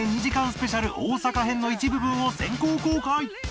スペシャル大阪編の一部分を先行公開！